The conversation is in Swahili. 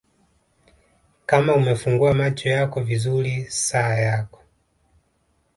Kama umefungua macho yako vizuri saa yako